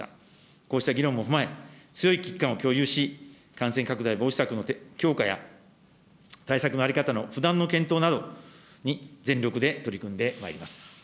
こうした議論も踏まえ、強い危機感を共有し、感染拡大防止策の強化や、対策の在り方の不断の検討などに全力で取り組んでまいります。